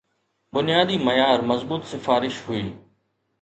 بنيادي معيار مضبوط سفارش هئي.